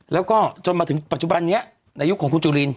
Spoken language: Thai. แล้วก็จนมาถึงปัจจุบันนี้ในยุคของคุณจุลิน